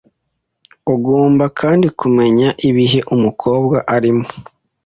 Ugomba kandi kumenya ibihe umukobwa arimo